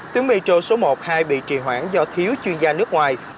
tuyến metro số một hai bị trì hoãn do thiếu chuyên gia nước ngoài